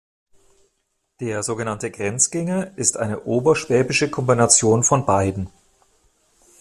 Der sogenannte "Grenzgänger" ist eine oberschwäbische Kombination von beiden.